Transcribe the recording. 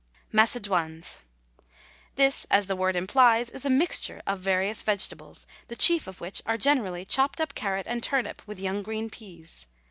MACEDOINES. This, as the word implies, is a mixture of various vegetables, the chief of which are generally chopped up carrot and turnip with young green peas.